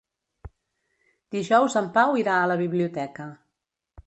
Dijous en Pau irà a la biblioteca.